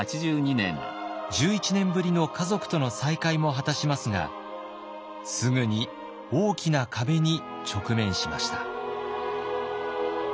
１１年ぶりの家族との再会も果たしますがすぐに大きな壁に直面しました。